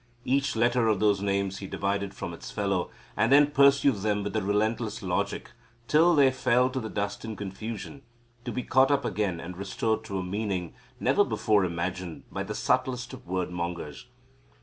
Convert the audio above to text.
Each letter of those names he divided from its fellow, and then pursued them with a relentless logic till they fell to the dust in confusion, to be caught up again and restored to a meaning never before imagined by the subtlest of word mongers.